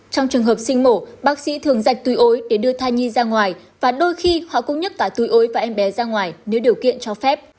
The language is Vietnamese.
trong trường hợp sinh mổ bác sĩ thường dạch tùy ối để đưa thai nhi ra ngoài và đôi khi họ cũng nhắc tả túi ối và em bé ra ngoài nếu điều kiện cho phép